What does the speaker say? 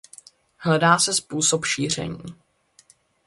Hledá se způsob šíření.